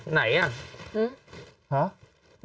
ไหนอ่ะหื้อฮะ